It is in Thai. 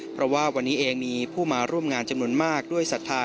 เพราะว่าวันนี้เองมีผู้มาร่วมงานจำนวนมากด้วยศรัทธา